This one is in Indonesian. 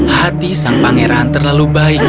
hati sang pangeran terlalu baik